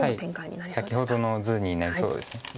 先ほどの図になりそうです。